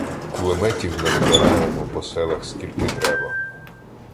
Кулеметів назбираємо по селах скільки треба.